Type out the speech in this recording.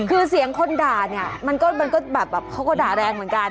คือเสียงคนด่านี่เนี้ยมันก็มันก็แบบแบบเขาก็ด่าแรงเหมือนกัน